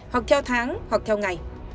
hoặc theo tháng hoặc theo ngày